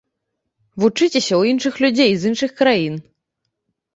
Вучыцеся ў іншых людзей з іншых краін.